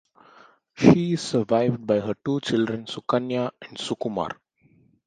She is survived by her two children Sukanya and Sukumar.